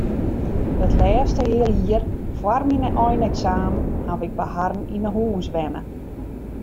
It lêste healjier foar myn eineksamen haw ik by harren yn 'e hûs wenne.